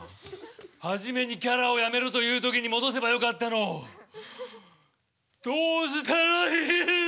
初めにキャラをやめろという時に戻せばよかったのをどうしたらいいんだ！